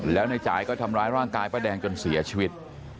แล้วในจ่ายก็ทำร้ายร่างกายป้าแดงจนเสียชีวิต